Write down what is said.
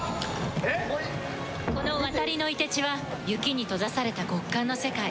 この渡りの凍て地は雪に閉ざされた極寒の世界。